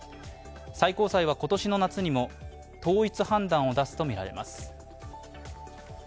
最高裁は、今年の夏にも統一判断を出すとみられます。